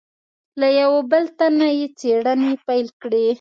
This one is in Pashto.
له یوه بل تن نه یې څېړنې پیل کړې.